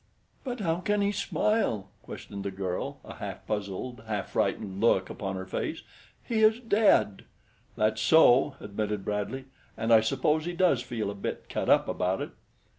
"But how can he smile?" questioned the girl, a half puzzled, half frightened look upon her face. "He is dead." "That's so," admitted Bradley, "and I suppose he does feel a bit cut up about it."